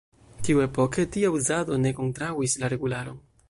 Tiuepoke tia uzado ne kontraŭis la regularon.